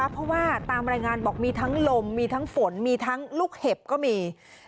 เพราะว่าตามรายงานบอกมีทั้งลมมีทั้งฝนมีทั้งลูกเห็บก็มี